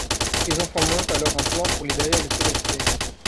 Les enfants montent alors un plan pour libérer le cétacé.